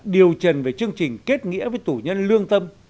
điều trần về chương trình kết nghĩa với tù nhân lương tâm